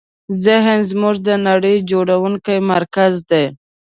ذهن زموږ د نړۍ جوړوونکی مرکز دی.